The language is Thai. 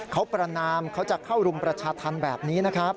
เขาประนามเขาจะเข้ารุมประชาธรรมแบบนี้นะครับ